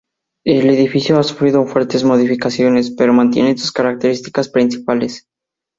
El edificio ha sufrido fuertes modificaciones, pero mantienen sus características principales.